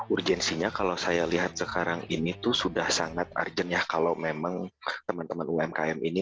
urgensinya kalau saya lihat sekarang ini tuh sudah sangat urgent ya kalau memang teman teman umkm ini